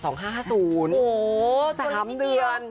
โอ้โหสนิทเดียว๓เดือน